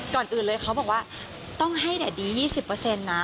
ก่อนอื่นเลยเขาบอกว่าต้องให้แดดดี๒๐เปอร์เซ็นต์นะ